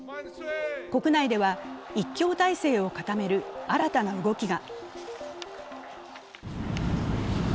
国内では一強体制を固める新たな動きが。